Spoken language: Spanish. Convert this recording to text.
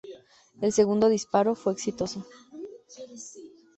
El segundo disparo fue exitoso.